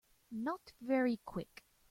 Not very Quick.